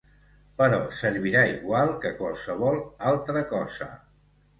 Però servirà igual que qualsevol altra cosa.